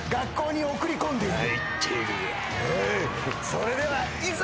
それではいざ。